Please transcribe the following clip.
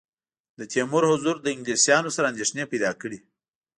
د تیمور حضور له انګلیسیانو سره اندېښنې پیدا کړې.